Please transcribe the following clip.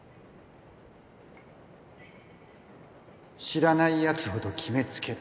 知らないやつほど決め付ける